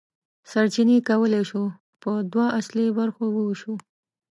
سرچینې کولی شو په دوه اصلي برخو وویشو.